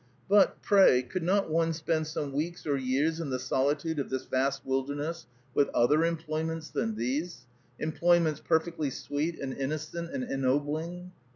But, pray, could not one spend some weeks or years in the solitude of this vast wilderness with other employments than these, employments perfectly sweet and innocent and ennobling?